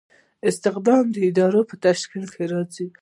استخدام د ادارې په تشکیل کې راځي.